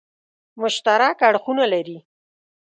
مشترک اړخونه لري.